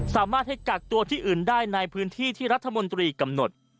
สามารถให้กักตัวที่อื่นได้ในพื้นที่ที่รัฐมนตรีกำหนด